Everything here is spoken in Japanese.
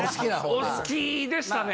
お好きでしたね。